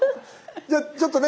じゃあちょっとね